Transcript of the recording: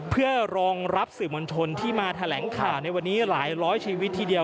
เพื่อรองรับสื่อมวลชนที่มาแถลงข่าวในวันนี้หลายร้อยชีวิตทีเดียว